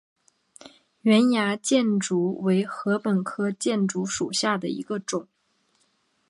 圆芽箭竹为禾本科箭竹属下的一个种。